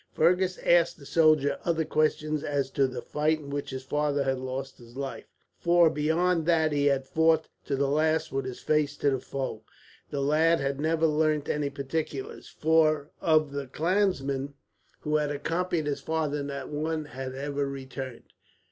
Fergus asked the soldier other questions as to the fight in which his father had lost his life; for beyond that he had fought to the last with his face to the foe, the lad had never learnt any particulars, for of the clansmen who had accompanied his father not one had ever returned.